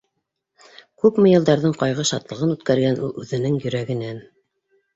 Күпме йылдарҙың ҡайғы-шатлығын үткәргән ул үҙенең йөрәгенән.